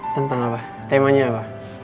tentang apa temanya apa